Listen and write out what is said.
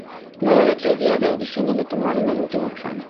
Luego de tres días de audiciones le tomaron el último examen.